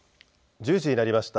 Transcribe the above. １０時になりました。